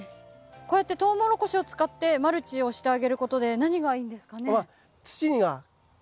こうやってトウモロコシを使ってマルチをしてあげることで何がいいんですかね？